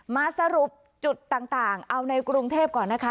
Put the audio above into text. มาสรุปจุดต่างเอาในกรุงเทพก่อนนะคะ